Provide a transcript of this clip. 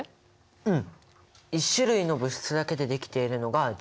うん。